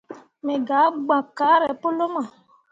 Me gah gbakke kaare pu luma.